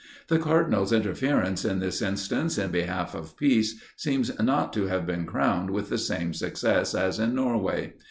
The cardinal's interference in this instance in behalf of peace, seems not to have been crowned with the same success, as in Norway.